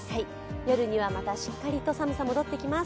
夜にはまたしっかりと寒さが戻ってきます。